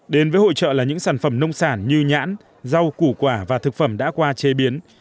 đến với hội trợ là những sản phẩm nông sản như nhãn rau củ quả và thực phẩm đã qua chế biến